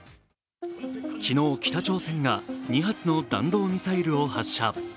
昨日、北朝鮮が２発の弾道ミサイルを発射。